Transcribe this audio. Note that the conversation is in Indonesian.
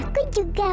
aku juga mau